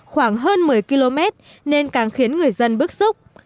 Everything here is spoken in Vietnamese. khoảng hơn một mươi km nên càng khiến người dân bức xúc